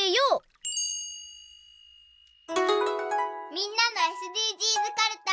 みんなのＳＤＧｓかるた。